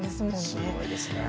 すごいですねぇ。